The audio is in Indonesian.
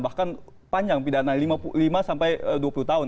bahkan panjang pidana lima sampai dua puluh tahun